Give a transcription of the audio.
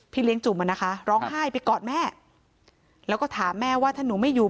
เลี้ยงจุ่มอ่ะนะคะร้องไห้ไปกอดแม่แล้วก็ถามแม่ว่าถ้าหนูไม่อยู่